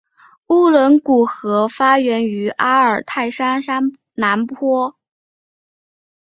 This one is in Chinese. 乌伦古河发源于阿尔泰山南坡。